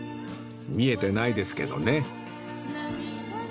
見えてないですけどね